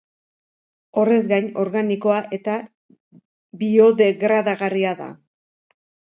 Horrez gain, organikoa eta biodegradagarria da.